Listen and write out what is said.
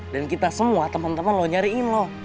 dan kita semua temen temen lo nyariin lo